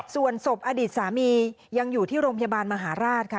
ส่วนศพอดีตสามียังอยู่ที่โรงพยาบาลมหาราชค่ะ